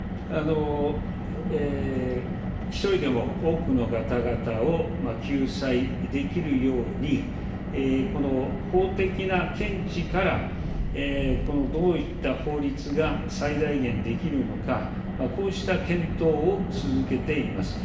一人でも多くの方々を救済できるように、この法的な見地からどういった法律が最大限できるのか、こうした検討を続けています。